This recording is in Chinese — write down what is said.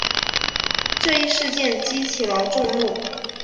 这一事件激起了众怒。